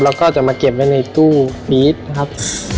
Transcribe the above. เราก็จะมาเก็บไว้ในตู้ฟีทนะครับ